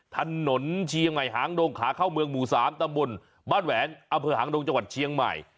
ถนนเชียงใหม่หางดงขาเข้าเมืองหมู่๓ตำบลบ้านแหวนอำเภอหางดงจังหวัดเชียงใหม่